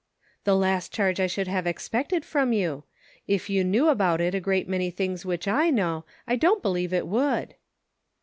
" The last charge I should have expected from you ; if you knew about it a great many things which I know, I do not believe it would."